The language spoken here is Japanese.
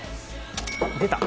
出た。